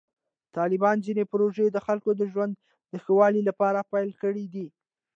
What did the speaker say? طالبانو ځینې پروژې د خلکو د ژوند د ښه والي لپاره پیل کړې دي.